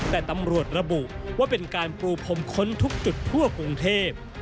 แต่ตำรวจระบุว่าเป็นการปูพรมค้นทุกจุดทั่วกรุงเทพ